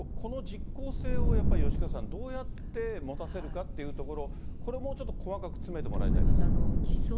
この実効性をやっぱり吉川さん、どうやって持たせるかというところ、これをもうちょっと細かく詰めてもらいたいですね。と思います。